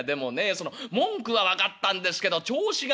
その文句は分かったんですけど調子がね」。